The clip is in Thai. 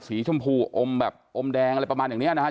สีชมพูอมแบบอมแดงอะไรประมาณอย่างนี้นะครับ